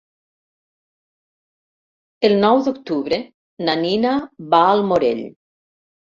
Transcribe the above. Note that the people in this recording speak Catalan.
El nou d'octubre na Nina va al Morell.